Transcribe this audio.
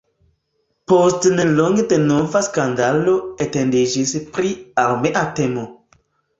Post nelonge denova skandalo etendiĝis pri armea temo.